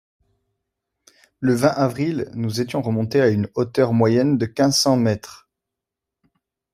Le vingt avril, nous étions remontés à une hauteur moyenne de quinze cents mètres.